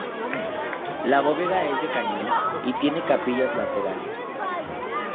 La bóveda es de cañón y tiene capillas laterales.